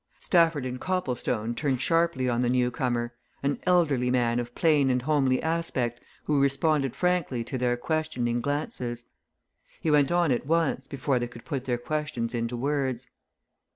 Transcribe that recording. Stafford and Copplestone turned sharply on the newcomer an elderly man of plain and homely aspect who responded frankly to their questioning glances. He went on at once, before they could put their questions into words.